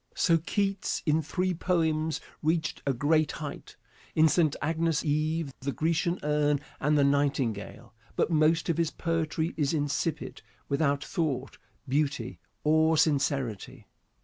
So Keats in three poems reached a great height in "St. Agnes' Eve," "The Grecian Urn," and "The Nightingale" but most of his poetry is insipid, without thought, beauty or sincerity.